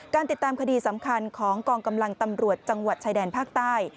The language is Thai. ติดตามคดีสำคัญของกองกำลังตำรวจจังหวัดชายแดนภาคใต้